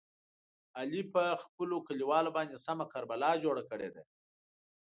علي په خپلو کلیوالو باندې سمه کربلا جوړه کړې ده.